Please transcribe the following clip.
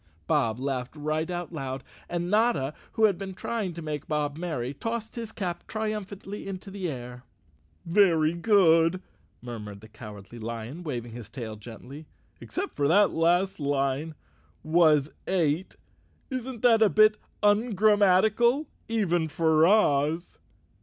Bob laughed right out loud, and Notta, who had been trying to make Bob merry, tossed his cap triumphantly into the air. "Very good," murmured the Cowardly Lion, waving his tail gently, " except that last line. ' Was ate.' Isn't that a bit ungrammatical, even for Oz?"